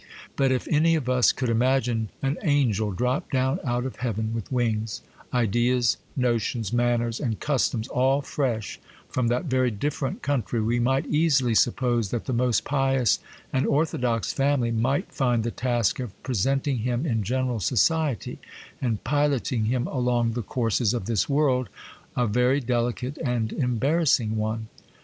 But if any of us could imagine an angel dropped down out of heaven, with wings, ideas, notions, manners, and customs all fresh from that very different country, we might easily suppose that the most pious and orthodox family might find the task of presenting him in general society, and piloting him along the courses of this world, a very delicate and embarrassing one.